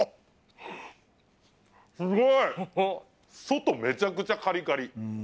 外めちゃくちゃカリカリ！